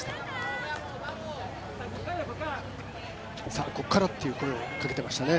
さあ、ここからという声をかけていましたね。